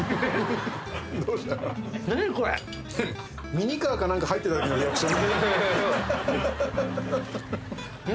ミニカーか何か入ってたときのリアクション。